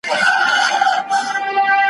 نه یې زړه له شکایت څخه سړیږي ,